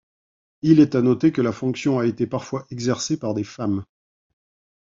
Il est à noter que la fonction a été parfois exercée par des femmes.